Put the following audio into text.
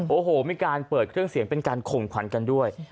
โอ้โหมีการเปิดเครื่องเสียงเป็นการข่มขวัญกันด้วย